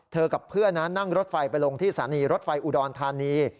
กับเพื่อนนั่งรถไฟไปลงที่สถานีรถไฟอุดรธานี